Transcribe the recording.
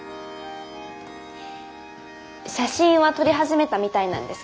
写真は撮り始めたみたいなんです